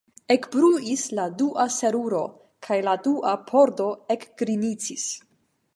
Ekbruis la dua seruro, kaj la dua pordo ekgrincis.